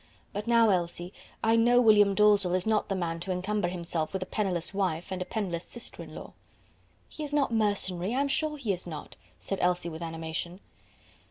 But now, Elsie, I know William Dalzell is not the man to encumber himself with a penniless wife and a penniless sister in law." "He is not mercenary I am sure he is not," said Elsie with animation.